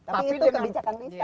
tapi itu kebijakan bisa